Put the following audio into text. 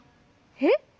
えっ？